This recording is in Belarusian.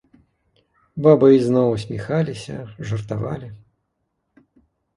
Бабы ізноў усміхаліся, жартавалі.